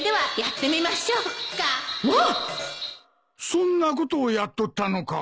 そんなことをやっとったのか。